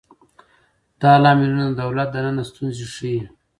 دا لاملونه د دولت دننه ستونزې ښيي.